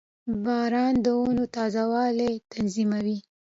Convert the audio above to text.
• باران د ونو تازهوالی تضمینوي.